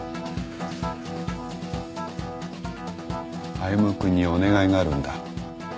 歩君にお願いがあるんだ。